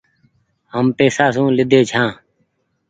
هم پئيسا سون لينڍي ڇآن ۔